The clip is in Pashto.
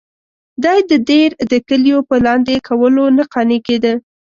دی د دیر د کلیو په لاندې کولو نه قانع کېده.